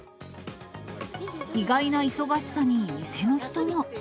意外な忙しさに、店の人も。